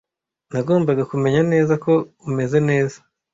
Nagombaga kumenya neza ko umeze neza.